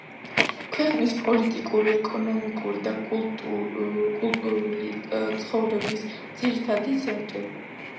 ქვეყნის პოლიტიკური, ეკონომიკური და კულტურული ცხოვრების ძირითადი ცენტრი.